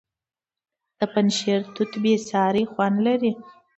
د پنجشیر توت بې ساري خوند لري.